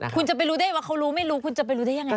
คุณจะไปรู้ได้ว่าเขารู้ไม่รู้คุณจะไปรู้ได้ยังไง